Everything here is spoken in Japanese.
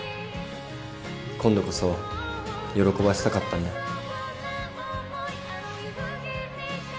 今度こそ喜ばせたかったんだよ。